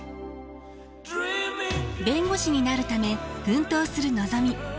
弁護士になるため奮闘するのぞみ。